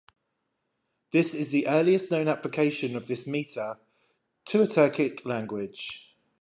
This is the earliest known application of this metre to a Turkic language.